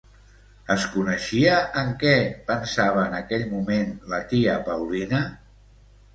Es coneixia en què pensava en aquell moment la tia Paulina?